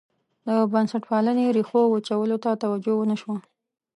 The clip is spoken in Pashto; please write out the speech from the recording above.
د بنسټپالنې ریښو وچولو ته توجه ونه شوه.